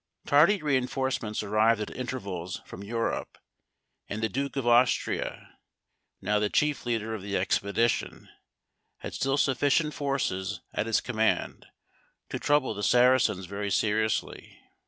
Tardy reinforcements arrived at intervals from Europe; and the Duke of Austria, now the chief leader of the expedition, had still sufficient forces at his command to trouble the Saracens very seriously.